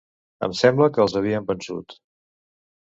Em sembla que els havíem vençut...